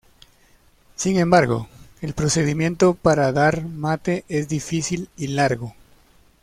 Sin embargo, el procedimiento para dar mate es difícil y largo.